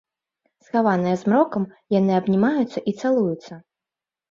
Схаваныя змрокам, яны абнімаюцца і цалуюцца.